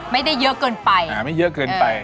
ไม่ได้เยอะเกินไปอ่าไม่เยอะเกินไป